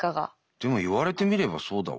でも言われてみればそうだわ。